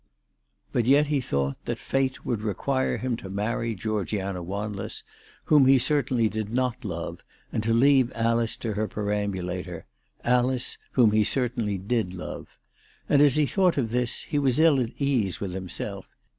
But yet he thought that fate would require him to marry Georgiana Wanless, whom he certainly did not love, and to leave Alice to her perambulator, Alice, whom he certainly did love. And as he thought of this, he was ill at ease with* himself.